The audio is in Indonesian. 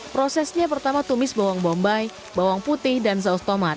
prosesnya pertama tumis bawang bombay bawang putih dan saus tomat